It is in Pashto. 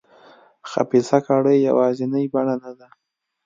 خبیثه کړۍ یوازینۍ بڼه نه ده.